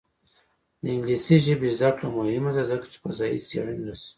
د انګلیسي ژبې زده کړه مهمه ده ځکه چې فضايي څېړنې رسوي.